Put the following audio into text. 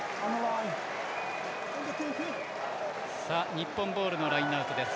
日本ボールのラインアウトです。